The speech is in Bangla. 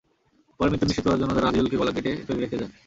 পরে মৃত্যু নিশ্চিত করার জন্য তাঁরা আজিজুলকে গলা কেটে ফেলে রেখে যায়।